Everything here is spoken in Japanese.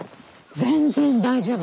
全然大丈夫。